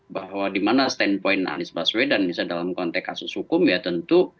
bahwa di mana standpoint anies baswedan misalnya dalam konteks kasus hukum ya tentu